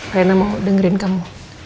rena mau dengerin kamu